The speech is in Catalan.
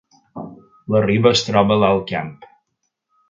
La Riba es troba a l’Alt Camp